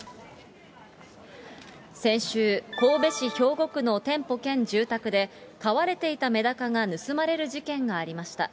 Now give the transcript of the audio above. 先週、神戸市兵庫区の店舗兼住宅で、飼われていたメダカが盗まれる事件がありました。